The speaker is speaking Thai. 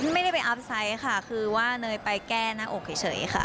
ไม่ได้ไปอัพไซต์ค่ะคือว่าเนยไปแก้หน้าอกเฉยค่ะ